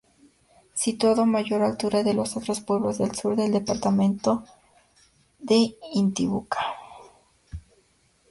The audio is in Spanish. Situado a mayor altura de los otros pueblos del sur del departamento de Intibucá.